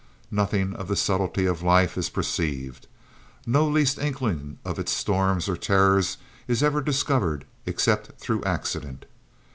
Nothing of the subtlety of life is perceived. No least inkling of its storms or terrors is ever discovered except through accident.